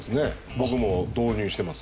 僕も導入してます。